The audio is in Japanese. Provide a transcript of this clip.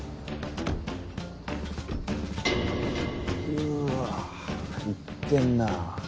うわいってんなぁ。